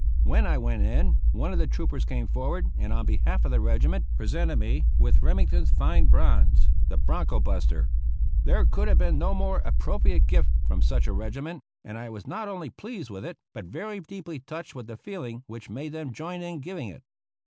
When I went in, one of the troopers came forward and on behalf of the regiment presented me with Remington's fine bronze, "The Bronco buster." There could have been no more appropriate gift from such a regiment, and I was not only pleased with it, but very deeply touched with the feeling which made them join in giving it.